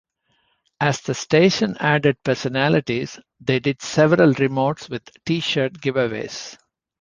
As the station added personalities, they did several remotes with T-shirt giveaways.